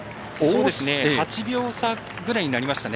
８秒差ぐらいになりましたね。